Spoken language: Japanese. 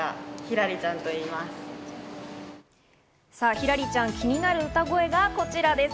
ひらりちゃん、気になる歌声がこちらです。